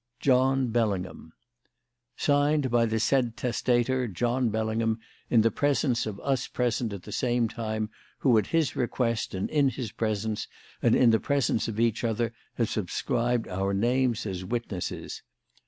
"JOHN BELLINGHAM. "Signed by the said testator John Bellingham in the presence of us present at the same time who at his request and in his presence and in the presence of each other have subscribed our names as witnesses.